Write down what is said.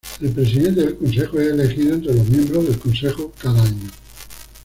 El presidente del consejo es elegido entre los miembros del consejo cada año.